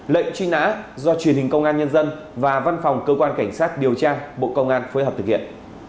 lệnh truy nã do truyền hình công an nhân dân và văn phòng cơ quan cảnh sát điều tra bộ công an phối hợp thực hiện